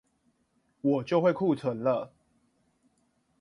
我就會庫存了